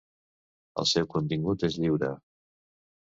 El seu contingut és lliure.